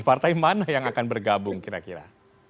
partai mana yang akan bergabung kira kira